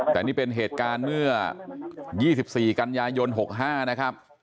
แต่นี่เป็นเหตุการณ์เมื่อ๒๔กันยายน๖๕นะครับ